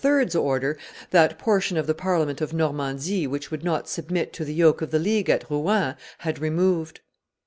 's order, that portion of the Parliament of Normandy which would not submit to the yoke of the League at Rouen, had removed.